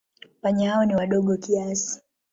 Panya hao ni wadogo kiasi.